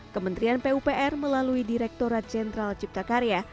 kementerian pupr melalui direkturat jenderal cipta karya